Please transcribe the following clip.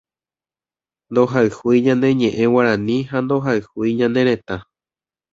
Ndohayhúi ñane ñeʼẽ Guarani ha ndohayhúi ñane retã.